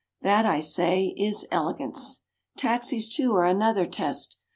That, I say, is elegance. Taxis, too, are another test.